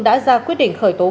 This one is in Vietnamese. đã ra quyết định khởi pháp